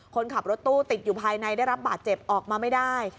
คนขับรถตู้ติดอยู่ภายในได้รับบาดเจ็บออกมาไม่ได้